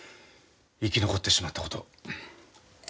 生き残ってしまったことを。